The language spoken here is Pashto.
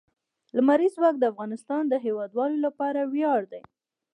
لمریز ځواک د افغانستان د هیوادوالو لپاره ویاړ دی.